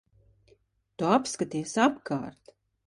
Tu apskaties apkārt.